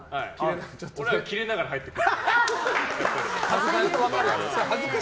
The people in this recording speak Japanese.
俺はキレながら入ってく。